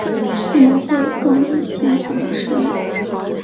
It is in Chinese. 我们会有更坚强的实力